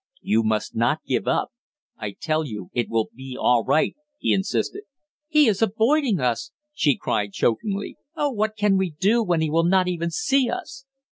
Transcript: "You must not give up; I tell you it will be all right!" he insisted. "He is avoiding us!" she cried chokingly. "Oh, what can we do when he will not even see us!"